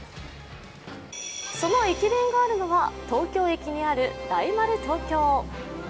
その駅弁があるのは、東京駅にある大丸東京。